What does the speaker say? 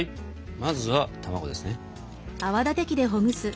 まずは卵ですね。